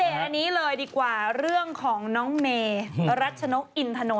อันนี้คือเรื่องของรัชโน๊คอินทะนค่ะ